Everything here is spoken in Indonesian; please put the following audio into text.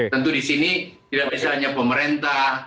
tentu di sini tidak bisa hanya pemerintah